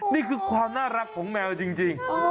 นี่คือความน่ารักของแมวจริง